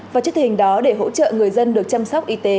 và trước tình hình đó để hỗ trợ người dân được chăm sóc y tế